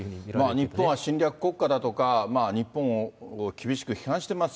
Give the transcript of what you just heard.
日本は侵略国家だとか、日本を厳しく批判してます。